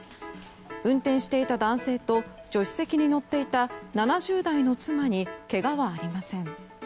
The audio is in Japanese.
運転していた男性と助手席に乗っていた７０代の妻にけがはありません。